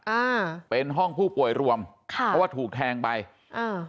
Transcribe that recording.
อ่าเป็นห้องผู้ป่วยรวมค่ะเพราะว่าถูกแทงไปอ่า